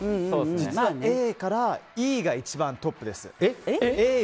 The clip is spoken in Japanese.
実はＡからＥが一番トップです。